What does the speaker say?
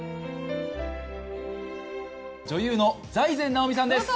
女優の財前直見さんです。